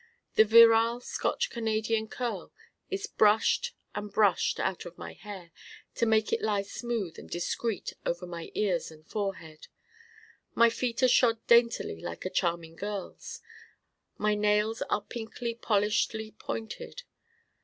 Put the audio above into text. The virile Scotch Canadian curl is brushed and brushed out of my hair to make it lie smooth and discreet over my ears and forehead. My feet are shod daintily like a charming girl's. My nails are pinkly polishedly pointed.